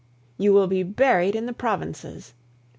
You will be buried in the provinces.